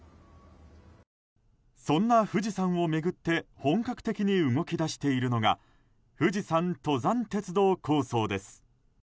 そんな富士山を巡って本格的に動き出しているのが富士山登山鉄道構想です。